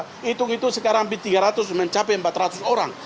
hitung itu sekarang tiga ratus mencapai empat ratus orang